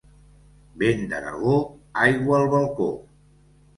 Vent d'Aragó, aigua al balcó.